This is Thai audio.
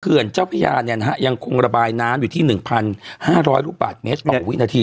เจ้าพญาเนี่ยนะฮะยังคงระบายน้ำอยู่ที่๑๕๐๐ลูกบาทเมตรต่อวินาที